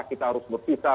kita harus berpisah